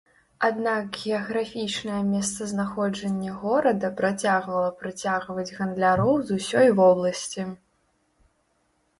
Аднак геаграфічнае месцазнаходжанне горада працягвала прыцягваць гандляроў з усёй вобласці.